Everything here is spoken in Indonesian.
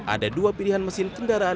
ada dua pilihan mesin kendaraan